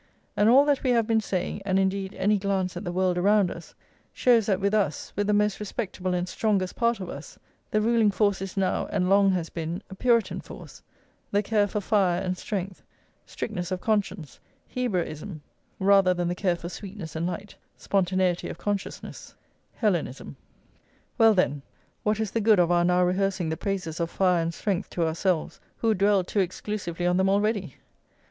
And all that we have been saying, and indeed any glance at the world around us, shows that with us, with the most respectable and strongest part of us, the ruling force is now, and long has been, a Puritan force, the care for fire and strength, strictness of conscience, Hebraism, rather than the care for sweetness and light, spontaneity of consciousness, Hellenism. Well, then, what is the good of our now rehearsing the praises of fire and strength to ourselves, who dwell too exclusively on them already?